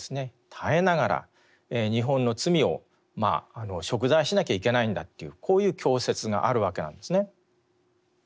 耐えながら日本の罪を贖罪しなきゃいけないんだというこういう教説があるわけなんですね。